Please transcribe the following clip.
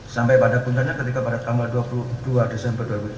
sampai pada puncaknya ketika pada tanggal dua puluh dua desember dua ribu tujuh belas